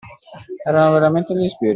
Erano veramente gli sbirri?